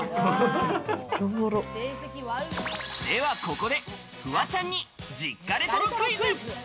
ではここでフワちゃんに実家レトロクイズ。